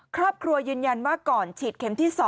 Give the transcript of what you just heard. ครอบครัวยืนยันว่าก่อนฉีดเข็มที่๒